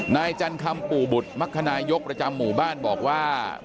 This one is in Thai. จันคำปู่บุตรมักคณายกประจำหมู่บ้านบอกว่า